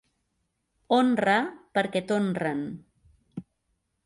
Honra perquè t'honren.